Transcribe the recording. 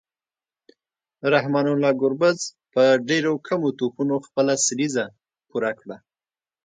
رحمان الله ګربز په ډیرو کمو توپونو خپله سلیزه پوره کړه